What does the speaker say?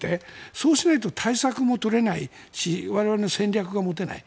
そうしないと対策も取れないし我々の戦略が持てない。